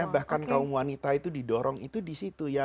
bahkan kaum wanita itu didorong itu disitu ya